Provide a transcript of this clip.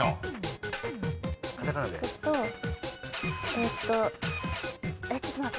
えーっとちょっと待って。